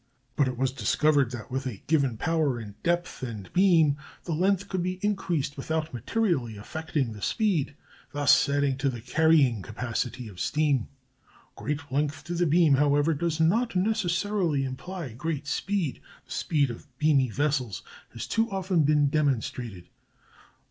But it was discovered that with a given power and depth and beam the length could be increased without materially affecting the speed, thus adding to the carrying capacity of steam. Great length to beam, however, does not necessarily imply great speed; the speed of beamy vessels has too often been demonstrated.